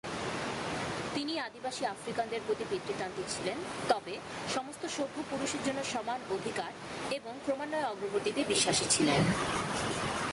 তিনি আদিবাসী আফ্রিকানদের প্রতি পিতৃতান্ত্রিক ছিলেন, তবে "সমস্ত সভ্য পুরুষের জন্য সমান অধিকার" এবং ক্রমান্বয়ে অগ্রগতিতে বিশ্বাসী ছিলেন।